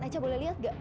eca boleh lihat gak